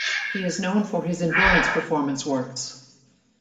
He is known for his endurance performance works.